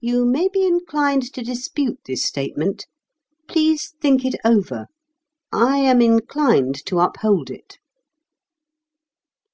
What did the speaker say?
You may be inclined to dispute this statement: please think it over; I am inclined to uphold it.